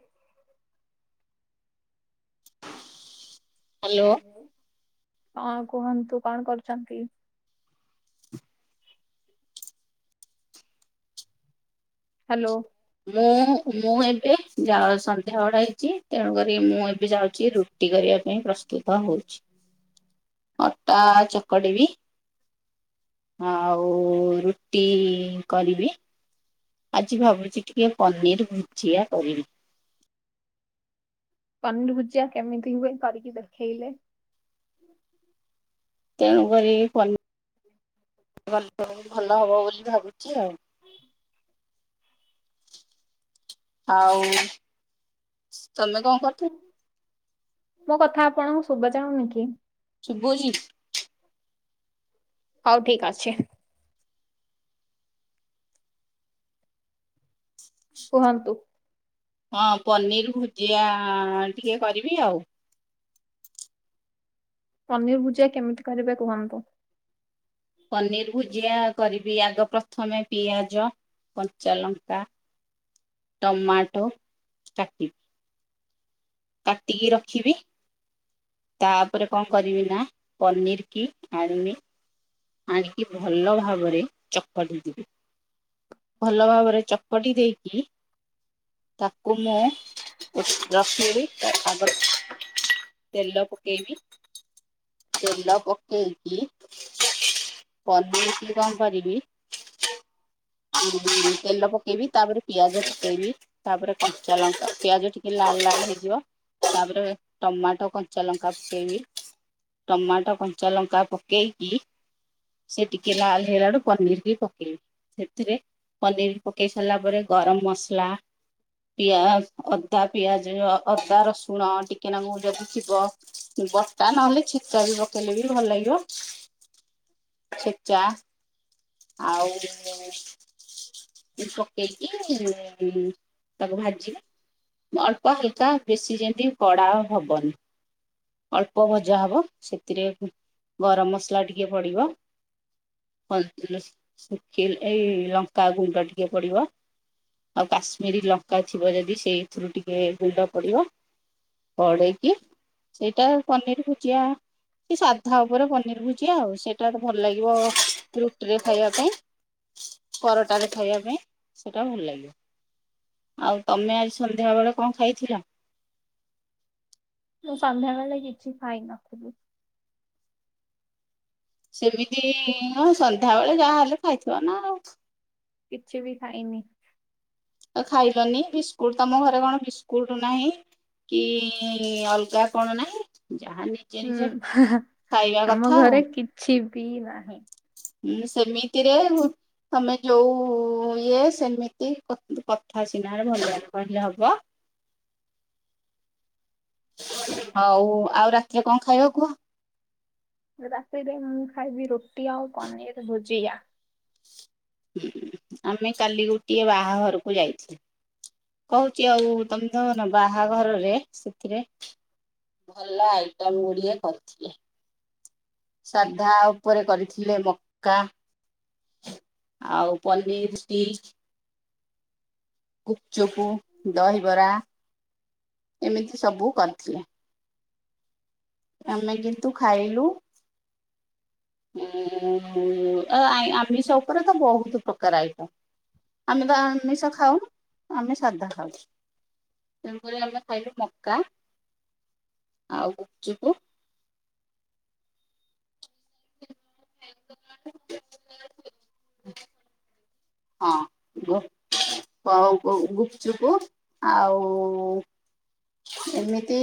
ହ ହାଲୋ। କଣ କୁହନ୍ତୁ କଣ କରୁଛନ୍ତି। ହାଲୋ। ମୁଁ ମୁଁ ଏବେ ସନ୍ଧ୍ୟା ଜାଅ ସନ୍ଧ୍ୟା ଘଡ ହେଇଛି ତେଣୁ କରି ମୁଁ ଏବେ ଯାଉଛି ରୁ ଟି କରିବା ପାଇଁ ପ୍ରସ୍ତୁତ ହଉଛି। ହୁଁ ଅଟା ଚକଡି ବି। ଆଉ ରୁଟି କରିବି। ଆଜି ଭାବୁଛି ଟିକେ ପନିର ଭୁଜିଆ କରିବି। ପନିର ଭୂଜିଆ କେମିତି ହୁଏ କରିକି ଦେଖେଇଲେ। ତେଣୁକରି ପରି ଭଲ ହବ ବୋଲି ଭାବୁଛି ଆଉ। ଆଉ ତମେ କଣ କରୁଥିଲ। ମୋ କଥା ଆପଣଙ୍କୁ ଶୁବା ଯାଉନି କି। ଶୁବୁଚି। ହଉ ଠିକ ଅଛି। କୁହନ୍ତୁ। ହଁ ପନିର୍ ଭୁଜିଆ ଟିକେ କରିବି ଆଉ। ପନିର ଭୁଜିଆ କେମିତି କରିବେ କୁହନ୍ତୁ? ପନିର ଭୁଜିଆ କରିବି ଆଗ ପ୍ରଥମେ ପିଆଜ କଞ୍ଚା ଲଙ୍କା। ଟମାଟୋ କାଟି କାଟିକି ରଖିବି। ତାପରେ କଣ କରିବି ନା ପନିର୍ କି ଆଣିବି ଆଣିକି ଭଲ ଭାବରେ ଚକଟିଦେବି। ଭଲ ଭାବରେ ଚକଟି ଦେଇକି ତାକୁ ମୁଁ ରଖି ଦେବି ତା ଆଗ ତେଲ ପକେଇବି ତେଲ ପକେଇକି ପନିର୍ କି କଣ୍ କରିବି ତେଲ ପକେଇବି ତାପରେ ପିଆଜ ପକେଇବି ତାପରେ କଞ୍ଚା ଲଙ୍କା ପିଆଜ ଟିକେ ଲାଲ୍ ଲାଲ୍ ହେଇଯିବ ତାପରେ ଟମାଟୋ କଞ୍ଚା ଲଙ୍କା ପକେଇବି ଟମାଟୋ କଞ୍ଚା ଲଙ୍କା ପକେଇକି ସେ ଟିକେ ଲାଲ୍ ହେଲାଠୁ ପନିର୍ କି ପକେଇବି। ସେଥିରେ ପନିର୍ ପକେଇ ସାରିଲା ପରେ ଗରମ୍ ମସଲା ପିଆଜ଼ -ଅଦା ପିଆଜ ଅଦା ରସୁଣ ଟିକେ ନାଙ୍କୁ ଯଦି ଥିବ ବଟା ନହେଲେ ଛେଚା ବି ପକେଇଲେ ବି ଭଲ ଲାଗିବ ଛେଚା ଆଉ ପକେଇକି ତାକୁ ଭାଜିବି ଅଳ୍ପ ହାଲ୍କା ବେଶୀ ଯେମିତି କଡ଼ା ହବନି। ଅଳ୍ପ ଭଜା ହବ ସେଥିରେ ଗରମ୍ ମସଲା ଟିକେ ପଡିବ ପନ୍-ଶୁଖି- ଏଇ ଲଙ୍କା ଗୁଣ୍ଡ ଟିକେ ପଡିବ ଆଉ କାଶ୍ମୀରୀ ଲଙ୍କା ଥିବ ଯଦି ସେଇଥିରୁ ଟିକେ ଗୁଣ୍ଡ ପଡିବ। ପଡେଇକି ସେଇଟା ପନିର ଭୁଜିଆ ସେ ସାଧା ଉପରେ ପନିର୍ ଭୁଜିଆ ଆଉ ସେଇଟା ଭଲ ଲାଗିବ ଟିରେ ଖାଇବା ପାଇଁ ପରଟାରେ ଖାଇବା ପାଇଁ ସେଟା ଭଲ ଲାଗେ। ଆଉ ତମେ ଆଜି ସନ୍ଧ୍ୟାବଳେ କଣ ଖାଇଥିଲ? ମୁଁ ସନ୍ଧ୍ୟାବେଳେ କିଛି ଖାଇ ନଥିଲି। ସେମିତି ହଁ ସନ୍ଧ୍ୟାବଳେ ଯାହାହଲେ ଖାଇଥିବ ନା ଆଉ। କିଛି ବି ଖାଇନି। ଅ- ଖାଇଲନି ବିସ୍କୁଟ୍ ତମ ଘରେ କଣ ବିସ୍କୁଟ୍ ନାହିଁ। କି ଅଲଗା କଣ ନାହିଁ ଯାହା ନି ହୁଁ- ଆମ ଆଉ। ଘରେ କିଛି ବି ନାହିଁ। ହୁଁ ସେମିତିରେ ହୁ- ତମେ ଯଉ ଇଏ ସେମିତି କ କଥା ସିନା ଭଲ କହିଲେ ହବ। ହଉ ଆଉ ରାତିରେ କଣ ଖାଇବ କୁହ? ରାତିରେ ମୁଁ ଖାଇବି ରୁଟି ଆଉ ପନିର୍ ଭୁଜିିଆ। ହୁଁ ଆମେ କାଲି ଗୋଟିଏ ବାହାଘରକୁ ଯାଇଥିଲୁ। କହୁଚି ଆଉ ତମେ ତମ ନ ବାହାଘରରେ ସେଥିରେ ଭଲ ଆଇଟମ୍ ଗୁଡଏ କରିଥିଲେ। ସାଧା ଉପରେ କରିଥିଲେ ମକା ଆଉ ପନିର୍ ଷ୍ଟିକ୍ ଗୁପ୍ ଚୁପୁ, ଦହିବରା ଏମିତି ସବୁ କରିଥିଲେ। ଆମେ କିନ୍ତୁ ଖାଇଲୁ ଉଁ- ଆ- ଆମିଷ ଉପରେ ତ ବହୁତୁ ପ୍ରକାର ଆଇଟମ୍। ଆମେ ବା ଆମିଷ ଖାଉନୁ ଆମେ ସାଧା ଖାଉଚୁ। ତେଣୁକରି ଆମେ ଖାଇଲୁ ମକା ଆଉ ଗୁପଚୁପୁ [unintelligible] ହଁ ଗୁ- କ- ଗୁପଚୁପ ଆଉ ଏମିତି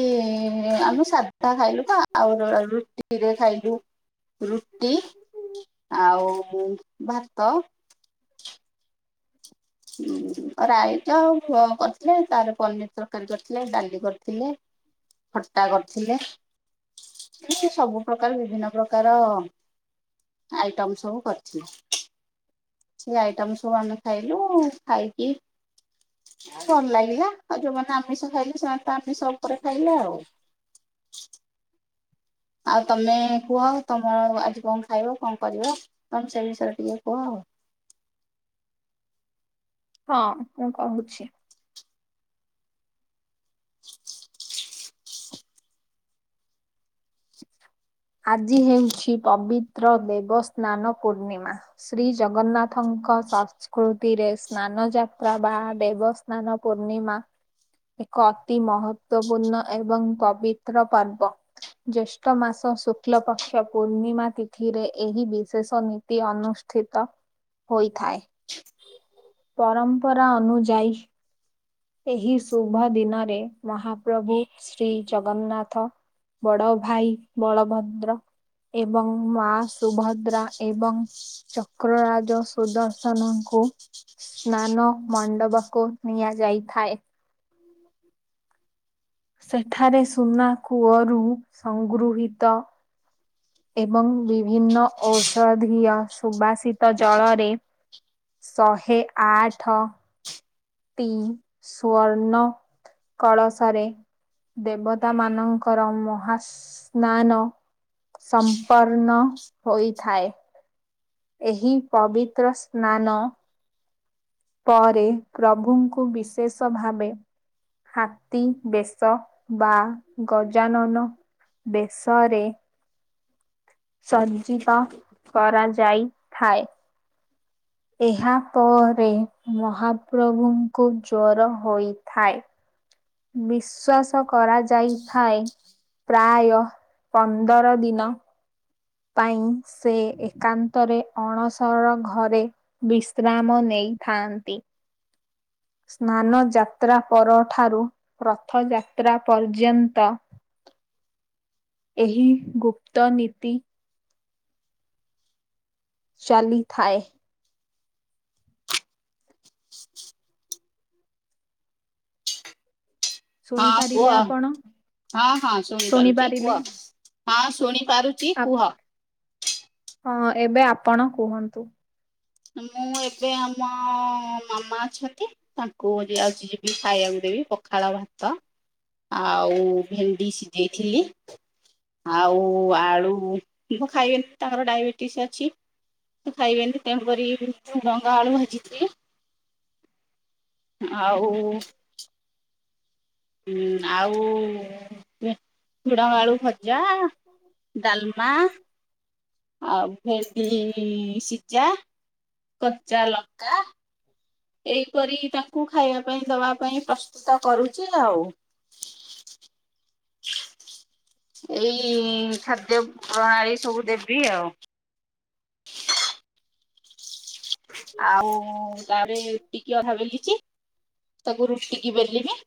ଆମେ ସାଧା ସାଧା ଖାଇଲୁ ତ ଆଉ ରୁଟିରେ ଖାଇଲୁ ରୁଟି ଆଉ ମୁଁ ଭାତ ରାଇଚ ଆଉ ପ କରିଥିଲେ ତାପରେ ପନିର ତରକାରୀ କରିଥିଲେ ଡାଲି କରିଥିଲେ। ଖଟ୍ଟା କରିଥିଲେ ସେ ସବୁ ପ୍ରକାର ବିଭିନ୍ନ ପ୍ରକାରର ଆଇଟମ ସବୁ କରିଥିଲେ। ସେ ଆଇଟମ ସବୁ ଆମେ ଖାଇଲୁ। ହଁ ଖାଇକି ଭଲ ଲାଗିଲା, ଆଉ ଯୋଉମାନେ ଆମିଷ ଖାଇଲେ ସେମାନେ ତା ପରେ ସବୁ ପରେ ଖାଇଲେ ଆଉ। ଆଉ ତମେ କୁହ ତମର ଆଜି କଣ ଖାଇବ କଣ କରିବ ତମେ ସେ ବିଷୟରେ ଟିକେ କୁହ ଆଉ? ହଁ ମୁଁ କହୁଛି। [inaudible] ଆଜି ହେଉଛି ପବିତ୍ର ଦେବସ୍ନାନ ପୂର୍ଣ୍ଣିମା। ଶ୍ରୀ ଜଗନ୍ନାଥଙ୍କ ଶା କୃତିରେ ସ୍ନାନ ଯାତ୍ରା ବା ଦେବସ୍ନାନ ପୂର୍ଣ୍ଣିମା। ଏକ ଅତି ମହତ୍ଵପୂର୍ଣ୍ଣ ଏବଂ ପବିତ୍ର ପର୍ବ। ଜ୍ୟେଷ୍ଠ ମାସ ସୁ ଶୁକ୍ଲ ପକ୍ଷ ପୂର୍ଣ୍ଣିମା ତିଥିରେ ଏହି ବିଶେଷ ନୀତି ଅନୁଷ୍ଠିତ। ହୋଇଥାଏ। ପରମ୍ପରା ଅନୁଯାୟୀ ଏହି ଶୁଭ ଦିନରେ ମହାପ୍ରଭୁ ଶ୍ରୀ ଜଗନ୍ନାଥ ବଡ଼ ଭାଇ ବଳଭଦ୍ର। ଏବଂ ମା ସୁଭଦ୍ରା ଏବଂ ଚକ୍ରରାଜ ସୁଦର୍ଶନଙ୍କୁ ସ୍ନାନ ମଣ୍ଡବ କୁ ନିଆଯାଇଥାଏ। ସେଠାରେ ସୁନା କୂଅରୁ ସଂଗୃହିତ ଏବଂ ବିଭିନ୍ନ ଔଷଧୀୟ ସୁବାସିତ ଜଳରେ ଶହେ ଆଠ ଟି ସ୍ଵର୍ଣ୍ଣ କଳସରେ ଦେବତା ମାନଙ୍କର ମହାସ୍ନାନ। ସମ୍ପର୍ନ୍ନ ହୋଇଥାଏ। ଏହି ପବିତ୍ର ସ୍ନାନ ପରେ ପ୍ରଭୁଙ୍କୁ ବିଶେଷ ଭାବେ ହାତୀ ବେଶ ବା ଗଜାନନ ବେଶରେ ସଜ୍ଜିତ କରାଯାଇଥାଏ। ଏହା ପରେ ମହାପ୍ରଭୁଙ୍କୁ ଜ୍ୱର ହୋଇଥାଏ। ବିଶ୍ୱାସ କରାଯାଇଥାଏ ପ୍ରାୟ ପନ୍ଦର ଦିନ। ପାଇଁ ସେ ଏକାନ୍ତରେ ଅଣସର ଘରେ ବିଶ୍ରାମ ନେଇଥାନ୍ତି। ସ୍ନାନ ଯାତ୍ରା ପରଠାରୁ ରଥଯାତ୍ରା ପର୍ଯ୍ୟନ୍ତ ଏହି ଗୁପ୍ତ ନୀତି ଚାଲିଥାଏ। [inaudible] ହଁ କୁହ ଶୁଣିପାରିଲେ ଆପଣ? ହଁ ହଁ ଶୁଣିପାରୁଛି ଶୁଣିପାରିଲେ? କୁହ। ହଁ ଶୁଣିପାରୁଛି ଆପ୍ କୁହ। ହଁ ଏବେ ଆପଣ କୁହନ୍ତୁ। ମୁଁ ଏବେ ଆମ ମାମା ଅଛନ୍ତି। ତାଙ୍କୁ ଆଜି ଯିବି ଖାଇବାକୁ ଦେବି ପଖାଳ ଭାତ ଆଉ ଭେଣ୍ଡି ସିଝେଇଥିଲି। ଆଉ ଆଳୁ ଖାଇବେନି ତାଙ୍କର ଡାଇବେଟିସ୍ ଅଛି। ଖାଇବେନି ତେଣୁକରି ଝୁଡ଼ଙ୍ଗ ଆଳୁ ଭାଜିିଥିଲି। ଆଉ ହଁ ଆଉ ଝୁଡଙ୍ଗ ଆଳୁ ଭଜା ଡାଲମା। ଆଉ ଭେଣ୍ଡି ସିଝା କଚା ଲଙ୍କା। ଏହିପରି ତାଙ୍କୁ ଖାଇବା ପାଇଁ ଦବା ପାଇଁ ପ୍ରସ୍ତୁତ କରୁଛି ଆଉ। ଏଇ ଖାଦ୍ୟ ପ୍ରଣାଳୀ ସବୁ ଦେବି ଆଉ। ଆଉ ତାରେ ରୁଟିକିି ଅଧା ବେଲିକି ତାକୁ ରୁଟି କିି ବେଲିବି।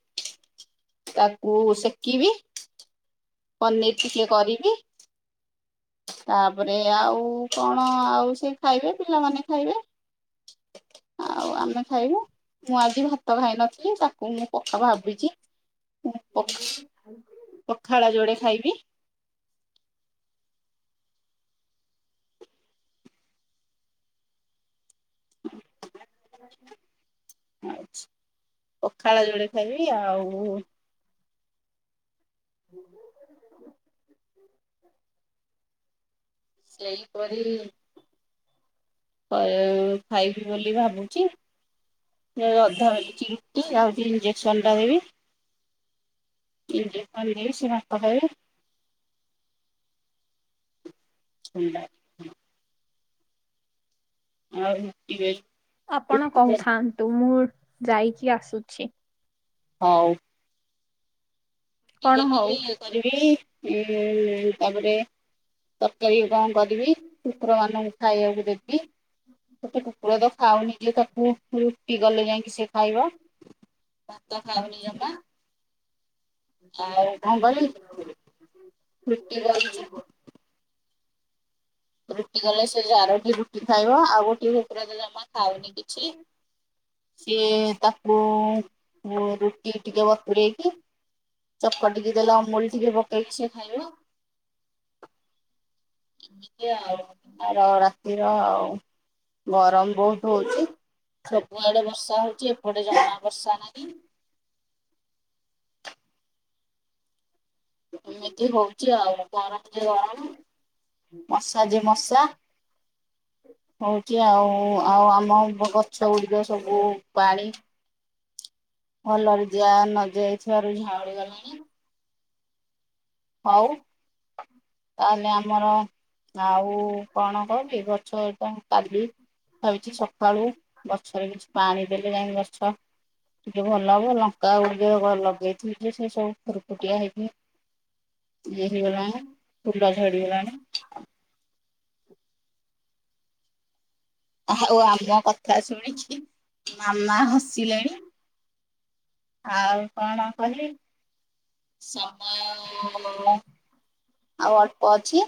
ତାକୁ ସେକିବି ପନିର ଟିକେ କରିବି। ତାପରେ ଆଉ କଣ ଆଉ ସେ ଖାଇବେ ପିଲାମାନେ ଖାଇବେ। ଆଉ ଆମେ ଖାଇବୁ ମୁଁ ଆଜି ଭାତ ଖାଇନଥିଲି ତାକୁ ମୁଁ ପକା ଭାବିଛି। ମୁଁ ପଖା ପଖାଳ ଯୋଡେ ଖାଇବି। [inaudible] ଆଚ୍ଛା ପଖାଳ ଯୋଡେ ଖାଇବି ଆଉ। [inaudible] ସେଇପରି କ ଖାଇବି ବୋଲି ଭାବୁଛି। [unintelligible] ସମ୍ ବାରବି ଇନ୍ତି ବନେଇବି ସେ ଭାତ ଖାଇବେ। ଥଣ୍ଡା ଆଉ ରୁଟି ବେ ଆପଣ କହୁଥାନ୍ତୁ ମୁଁ ଯାଇକି ଆସୁଛି। ହଉ। କଣ ରୁଟି ହଉ। ବେଳିବି ଇଏ କରିବି ଉଁ ତାପରେ ତରକାରୀ କଣ କରିବି କୁକୁର ମାନଙ୍କୁ ଖାଇବାକୁ ଦେବି। ଗୋଟେ କୁକୁର ତ ଖାଉନି ଯେ ତାକୁ ରୁଟି କଲେ ଯାଇଁକି ସେ ଖାଇବ। ଭାତ ଖାଉନି ଜମା। ଆଉ କଣ କରିବି ରୁଟି କରୁଚି। ରୁଟି କଲେ ସେ ଜାରଟି ରୁଟି ଖାଇବ ଆଉ ଗୋଟିଏ କୁକୁର ତ ଜମା ଖାଉନି କିଛି। ସିଏ ତାକୁ ରୁଟି ଟିକେ ବତୁରେଇକି ଚକଟିକି ଦେଲେ ଅମୁଲ୍ ଟିକେ ପକେଇକି ସେ ଖାଇବ। [inaudible] ଆଉ ଆର ରାତିର ଆଉ। ଗରମ ବହୁତ ହଉଛି ସବୁଆଡେ ବର୍ଷା ହଉଛି ଏପଟେ ଜମା ବର୍ଷା ନାହିଁ। ଏମିତି ହଉଛି ଆଉ ଗରମ ଯେ ଗରମ। ମଶା ଯେ ମଶା। ହଉଛି ଆଉ ଆଉ ଆମ ଗଛ ଗୁଡିକ ସବୁ ପାଣି। ଭଲରେ ଦିଆ ନଯାଇଥିବାରୁ ଝାଉଁଳି ଗଲାଣି। ହଉ। ତମେ ଆମର ଆଉ କଣ କହିବି ଗଛ ଟା କାଲି ଭାବିଛି ସକାଳୁ ଗଛରେ କିଛି ପାଣି ଦେଲେ ଯାଇଁ ଗଛ ଟିକେ ଭଲ ହବ ଲଙ୍କା ଗୁଡିକ ଲଗେଇଥିଲି ଯେ ସେ ସବୁ ଫୁରୁକୁଟିଆ ହେଇକି ଇଏ ହେଇଗଲାଣି ଫୁଲ ଝଡିଗଲାଣି। ଆଉ ଆମ କଥା ଶୁଣିକି ମାମା ହସିଲେଣି। ଆଉ କଣ କହିବି? ସମୟ ଆଉ ଅଳ୍ପ ଅଛି।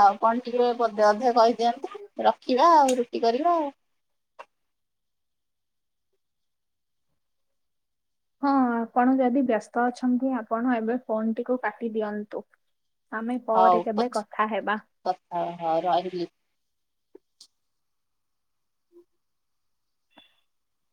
ଆଉ କଣ ଟିକେ ପଦେ ଅଧେ କହିଦିଅନ୍ତୁ ରଖିବା ଆଉ ରୁଟି କରିବା। ହଁ ଆପଣ ଯଦି ବ୍ୟସ୍ତ ଅଛନ୍ତି ଆପଣ ଏବେ ଫୋନଟିକୁ କାଟି ଦିଅନ୍ତୁ। ଆମେ ପରେ ହଉ କେବେ ପଛେ କଥା ହେବା। କଥା ହବା ହଉ ରହିଲି। [inaudible]